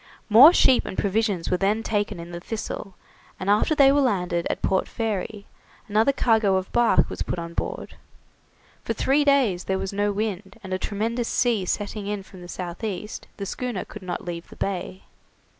More sheep and provisions were then taken in the 'Thistle', and after they were landed at Port Fairy, another cargo of bark was put on board. For three days there was no wind, and a tremendous sea setting in from the south east, the schooner could not leave the bay.